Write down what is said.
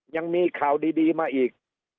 ยังมีข่าวดีมาอีก